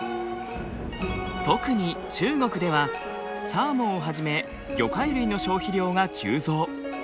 特に中国ではサーモンをはじめ魚介類の消費量が急増。